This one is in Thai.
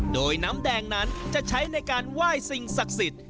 โดยน้ำแดงนั้นจะใช้ในการไหว้สิ่งศักดิ์สิทธิ์